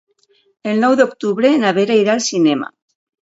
El nou d'octubre na Vera irà al cinema.